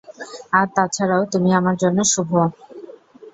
আর তাছাড়াও, তুমি আমার জন্য শুভ।